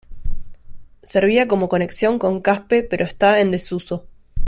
Servía como conexión con Caspe pero está en desuso.